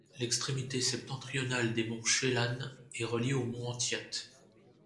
L'extrémité septentrionale des monts Chelan est reliée aux monts Entiat.